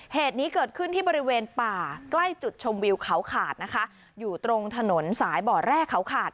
เหตุนี้เกิดขึ้นที่บริเวณป่าใกล้จุดชมวิวเขาขาดนะคะอยู่ตรงถนนสายบ่อแร่เขาขาด